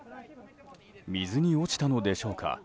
水に落ちたのでしょうか。